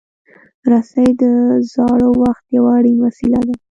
رسۍ د زاړه وخت یو اړین وسیله ده.